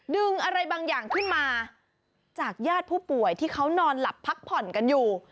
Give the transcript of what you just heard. ดึงอะไรบางอย่างขึ้นมาจากญาติผู้ป่วยที่เขานอนหลับพักผ่อนกันอยู่